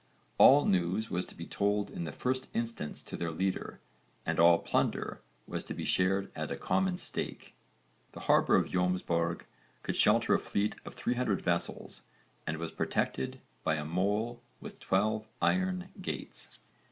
All news was to be told in the first instance to their leader and all plunder was to be shared at a common stake. The harbour of Jómsborg could shelter a fleet of 300 vessels and was protected by a mole with twelve iron gates.